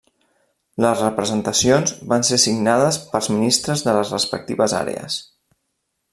Les representacions van ser signades pels ministres de les respectives àrees.